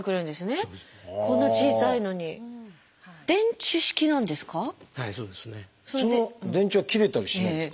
その電池は切れたりしないんですか？